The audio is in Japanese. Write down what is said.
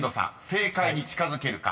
正解に近づけるか］